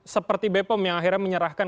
seperti bepom yang akhirnya menyerahkan